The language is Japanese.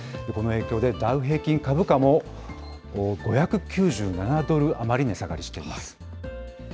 この影響でダウ平均株価も、５９７ドル余り値下がりしています。